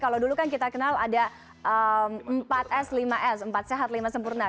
kalau dulu kan kita kenal ada empat s lima s empat sehat lima sempurna